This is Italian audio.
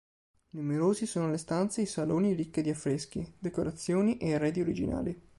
Numerosi sono le stanze e i saloni ricche di affreschi, decorazioni e arredi originali.